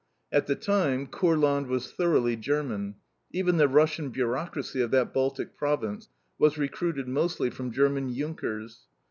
At the time Kurland was thoroughly German; even the Russian bureaucracy of that Baltic province was recruited mostly from German JUNKERS.